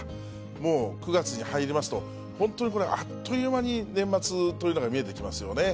もう９月に入りますと、本当にこれ、あっという間に年末というのが見えてきますよね。